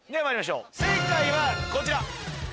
正解はこちら！